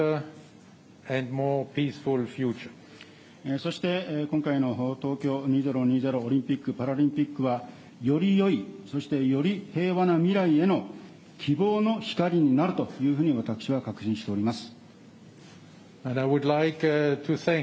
そして、今回の東京２０２０オリンピック・パラリンピックは、よりよい、そしてより平和な未来への希望の光になるというふうに私は確信しております。